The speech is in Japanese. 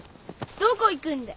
どこ行くんだ？